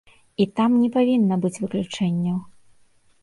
І там не павінна быць выключэнняў.